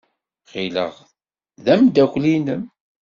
Ɣileɣ d ameddakel-nnem.